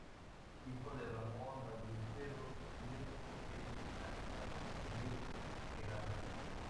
Hijo de Ramón Ballesteros Riesco e Ignacia Ríos Egaña.